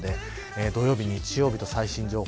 土曜日、日曜日と最新情報。